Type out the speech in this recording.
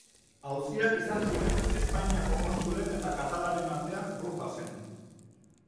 Auziak izan ziren Espainiako kontsulen eta katalanen artean Brujasen.